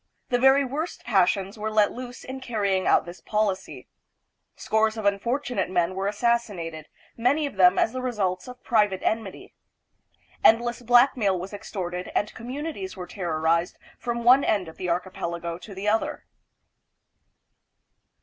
The very worst passions were let loose in carrying out this policy. Scores of unfortu nate men were assassinated, many of them as the results of private enmity. Endless blackmail was extorted and communities were terrorized from one end of the archi pelago to the other.